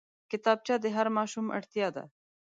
کتابچه د هر ماشوم اړتيا ده